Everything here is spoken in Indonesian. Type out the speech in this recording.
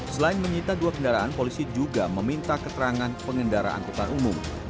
selain menyita dua kendaraan polisi juga meminta keterangan pengendara angkutan umum